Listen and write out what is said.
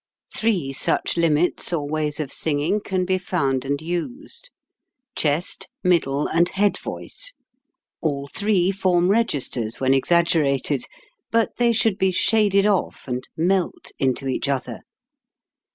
Three such limits or ways of singing can be found and used. Chest, middle, and head voice, all three form registers when exag gerated, but they should be shaded off and melt into each other.